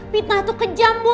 fitnah tuh kejam bu